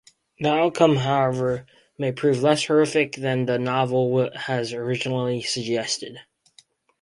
The outcome, however, "may prove less horrific than the novel has originally suggested".